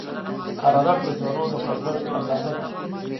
حرارت د ذرّو د خوځښت اندازه ده.